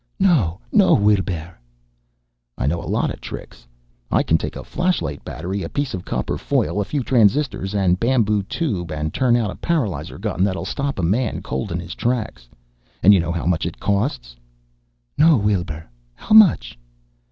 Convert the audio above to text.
"No, no, Weelbrrr." "I know lots of tricks. I can take a flashlight battery, a piece of copper foil, a few transistors and bamboo tube and turn out a paralyzer gun that'll stop a man cold in his tracks. And you know how much it costs?" "No, Weelbrrr. How much?"